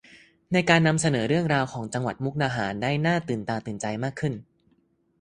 ในการนำเสนอเรื่องราวของจังหวัดมุกดาหารได้หน้าตื่นตาตื่นใจมากขึ้น